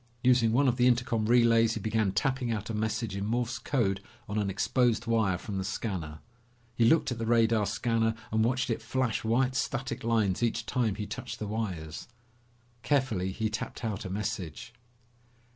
Using one of the intercom relays he began tapping out a message in Morse code on an exposed wire from the scanner. He looked at the radar scanner and watched it flash white static lines each time he touched the wires. Carefully he tapped out a message.